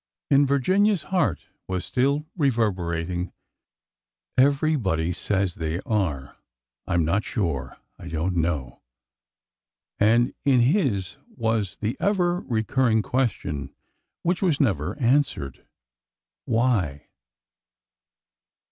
In Virginia's heart was still reverberating, Everybody says they are. ... I am sure I don't know," and in his was the ever recurring question which was never answered—'' Why?